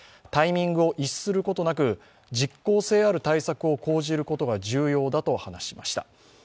タイミングを逸することなく実効性ある対策を講じることが重要だと話しました。